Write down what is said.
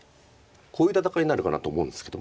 こういう戦いになるかなと思うんですけども。